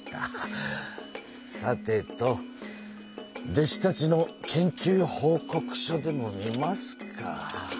さてと弟子たちの研究報告書でも見ますか。